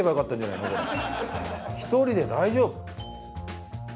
１人で大丈夫？